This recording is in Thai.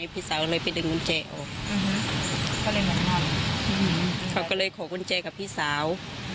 พี่สาวเลยไปดึงกุญแจออกเขาก็เลยขอกุญแจกับพี่สาว